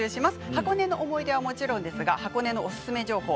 箱根はもちろんですが箱根のおすすめ情報。